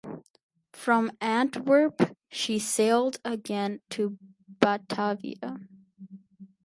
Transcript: From Antwerp she sailed again to Batavia.